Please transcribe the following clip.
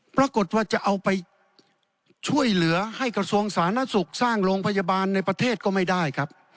ปรากฏว่าจะเอาไปช่วยเหลือให้กระทรวงสาธารณสุขสร้างโรงพยาบาลในประเทศก็ไม่ได้ครับ